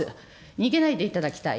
逃げないでいただきたい。